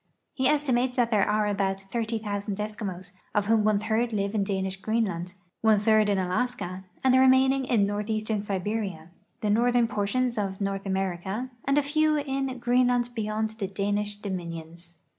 He estimates that there are about 30,000 Eskimos, of whom one third live in Danish Greenland, one third in Alaska, and the remainder in northeastern Siberia, the northern portions of North America, and a few in Greenland beyond the Danish dominions.